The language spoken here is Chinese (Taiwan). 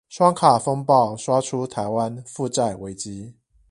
雙卡風暴刷出台灣負債危機